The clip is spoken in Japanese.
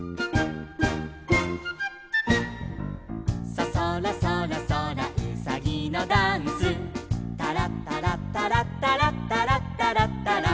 「ソソラソラソラうさぎのダンス」「タラッタラッタラッタラッタラッタラッタラ」